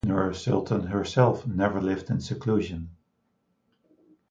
Nur Sultan herself never lived in seclusion.